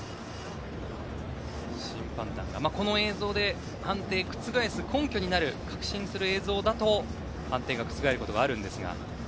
この映像で判定を覆す根拠になる確信する映像だと判定が覆ることがあるんですが。